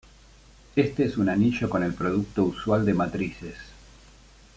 Éste es un anillo con el producto usual de matrices.